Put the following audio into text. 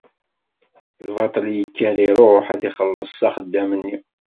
Lbaṭel yekker iruḥ ad ixelles s axeddam-nni.